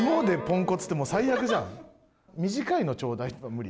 短いのちょうだいとか無理？